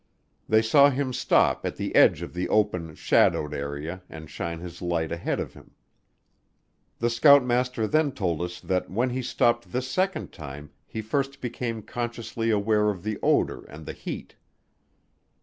They saw him stop at the edge of the open, shadowed area and shine his light ahead of him. The scoutmaster then told us that when he stopped this second time he first became consciously aware of the odor and the heat.